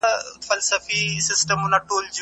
زه به سبا د زده کړو تمرين کوم!.